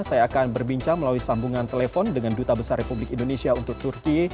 saya akan berbincang melalui sambungan telepon dengan duta besar republik indonesia untuk turki